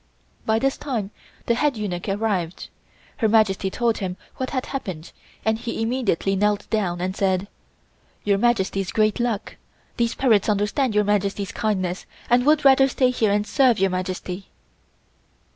By this time the head eunuch arrived. Her Majesty told him what had happened and he immediately knelt down and said: "Your Majesty's great luck. These parrots understand Your Majesty's kindness and would rather stay here and serve Your Majesty."